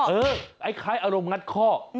เออไอ้คล้ายอารมณ์งัดข้อ